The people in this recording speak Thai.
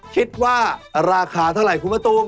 คิดว่าราคาเท่าไหร่คุณมะตูม